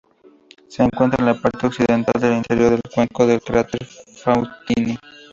Se encuentra en la parte occidental del interior del cuenco del cráter Faustini.